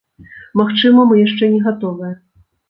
Магчыма, мы яшчэ не гатовыя.